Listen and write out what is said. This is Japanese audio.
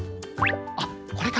あっこれか。